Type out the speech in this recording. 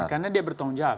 karena dia bertanggung jawab